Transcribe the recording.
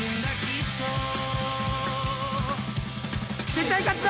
絶対勝つぞ！